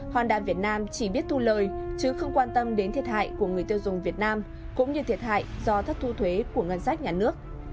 honda việt nam chỉ biết thu lời chứ không quan tâm đến thiệt hại của người tiêu dùng việt nam cũng như thiệt hại do thất thu thuế của ngân sách nhà nước